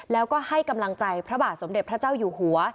แล้วก็ให้กำลังใจพระบาทสมเด็จพระเจ้าอยู่หัว